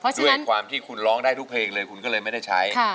ด้วยความที่คุณร้องได้ทุกเพลงเลยคุณก็เลยไม่ได้ใช้